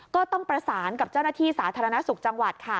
ก็ต้องประสานกับเจ้าหน้าที่สาธารณสุขจังหวัดค่ะ